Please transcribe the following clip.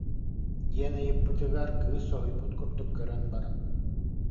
диэн ыйыппытыгар, кыыс соһуйбут курдук көрөн баран: